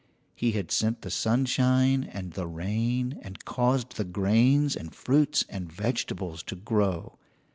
He had sent the sunshine and the rain and caused the grains and fruits and vegetables to grow.